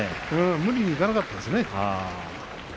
無理にいかなかったですね。